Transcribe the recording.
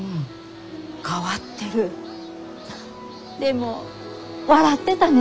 フッでも笑ってたね。